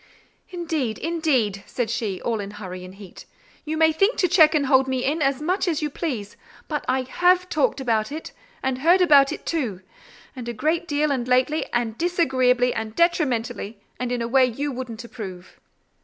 "Indeed, indeed!" said she—all in hurry and heat—"you may think to check and hold me in, as much as you please; but I have talked about it, and heard about it too; and a great deal and lately, and disagreeably and detrimentally: and in a way you wouldn't approve."